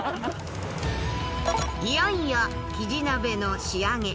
いよいよキジ鍋の仕上げ。